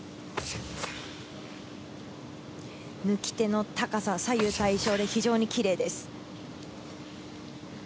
貫手の高さ、左右対称で非常にキレイです。